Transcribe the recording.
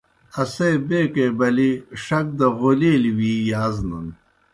اسے بیکے بلِی ݜک دہ غولیلیْ وی یازنَن۔